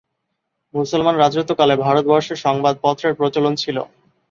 মুসলমান রাজত্বকালে ভারতবর্ষে সংবাদপত্রের প্রচলন ছিল।